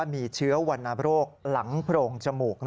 มีเชื้อวรรณโรคหลังโพรงจมูก